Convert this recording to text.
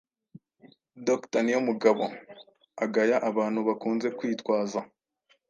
Dr Niyomugabo agaya abantu bakunze kwitwaza